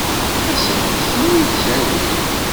Ad sent-ten-id-tawi?